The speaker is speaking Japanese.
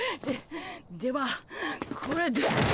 でではこれで。